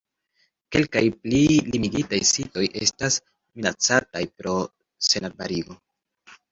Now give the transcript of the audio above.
Kelkaj pli limigitaj sitoj estas minacataj pro senarbarigo.